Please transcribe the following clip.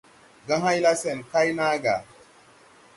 Gahãyla sɛn kay na gà.